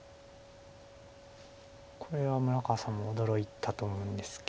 これは村川さんも驚いたと思うんですけど。